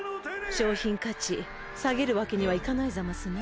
商品価値下げるわけにはいかないざますね。